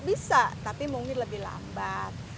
bisa tapi mungkin lebih lambat